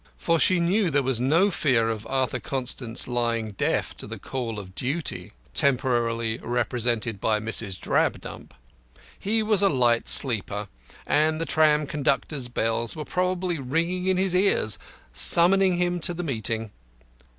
For she knew there was no fear of Arthur Constant's lying deaf to the call of Duty temporarily represented by Mrs. Drabdump. He was a light sleeper, and the tram conductors' bells were probably ringing in his ears, summoning him to the meeting.